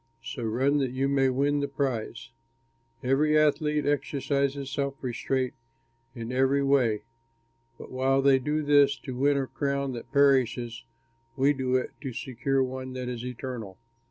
So run that you may win the prize. Every athlete exercises self restraint in every way; but while they do this to win a crown that perishes, we do it to secure one that is eternal.